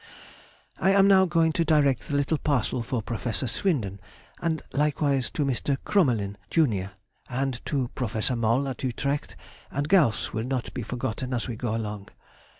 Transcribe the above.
I am now going to direct the little parcel for Professor Swinden, and likewise to Mr. Crommelin, jun., and to Professor Moll, at Utrecht, and Gauss will not be forgotten as we go along.